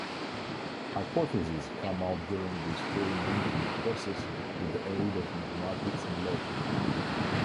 Hypothesis come out during the experimenting process with the aid of mathematics and logic.